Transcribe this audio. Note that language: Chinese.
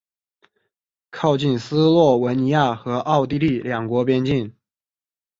靠近斯洛文尼亚和奥地利两国边境。